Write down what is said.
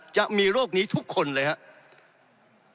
จะมีโรคนี้ทุกคนเลยครับ